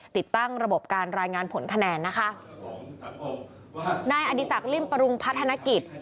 ติดตั้งระบบการรายงานผลคะแนนนะคะนัยอธิสักลิมประรุงพาธนาคาร